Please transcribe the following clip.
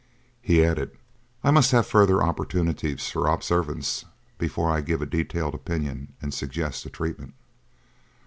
He added: "I must have further opportunities for observance before I give a detailed opinion and suggest a treatment."